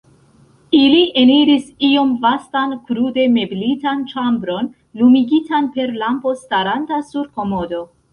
Ili eniris iom vastan, krude meblitan ĉambron, lumigitan per lampo staranta sur komodo.